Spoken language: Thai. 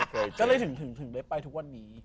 ก็เลยถึงได้ไปทุกวันนี้